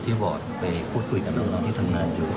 วอร์ดไปพูดคุยกับน้องที่ทำงานอยู่